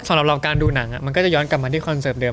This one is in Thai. สำหรับเราการดูหนังมันก็จะย้อนกลับมาที่คอนเสิร์ตเดิ